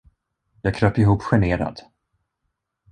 Jag kröp ihop generad.